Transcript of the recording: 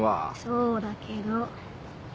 そうだけど。